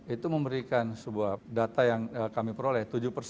itu memberikan sebuah data yang kami peroleh